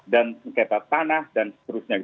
dan keta tanah dan seterusnya